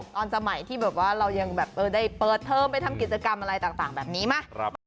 ตอนสมัยที่แบบว่าเรายังแบบได้เปิดเทอมไปทำกิจกรรมอะไรต่างแบบนี้ไหม